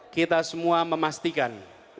kita semua memastikan